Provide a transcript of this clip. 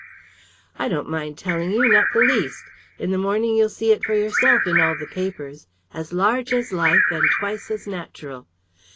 "I don't mind telling you, not the least. In the morning you'll see it for yourself in all the papers as large as life and twice as natural.